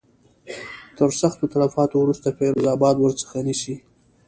تر سختو تلفاتو وروسته فیروز آباد ورڅخه نیسي.